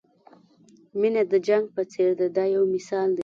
مینه د جنګ په څېر ده دا یو مثال دی.